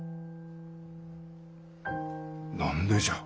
何でじゃ。